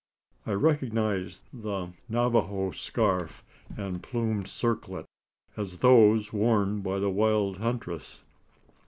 I recognised the Navajo scarf, and plumed circlet, as those worn by the wild huntress.